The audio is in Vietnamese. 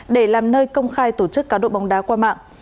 để làm nơi công khai tổ chức cá độ bóng đá qua mạng